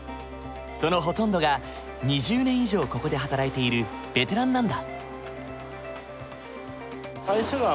そのほとんどが２０年以上ここで働いているベテランなんだ。